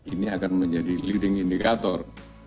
ini akan menjadi leading indicator